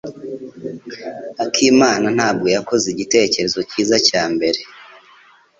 Akimana ntabwo yakoze igitekerezo cyiza cya mbere.